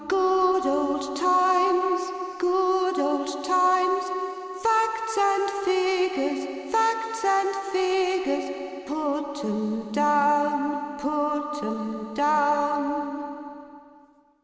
Good old Times, Good old Times! Facts and Figures, Facts and Figures! Put 'em down, Put 'em down!